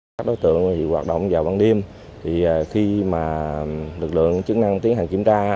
các đối tượng hoạt động vào ban đêm khi lực lượng chức năng tiến hành kiểm tra